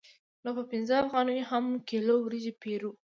نو په پنځه افغانیو هم یو کیلو وریجې پېرو